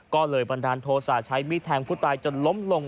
ก็เลยบรรดาโนโศภาษาใช้มีแทงผู้ตายจะล้มลง